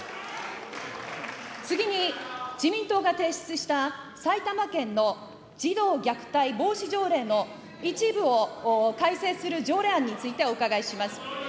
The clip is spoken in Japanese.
次に、自民党が提出した埼玉県の児童虐待防止条例の一部を改正する条例案についてお伺いします。